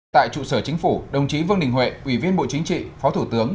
tại trụ sở chính phủ đồng chí vương đình huệ ủy viên bộ chính trị phó thủ tướng